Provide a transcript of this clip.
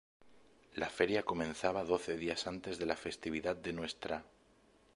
La feria comenzaba doce días antes de la festividad de Ntra.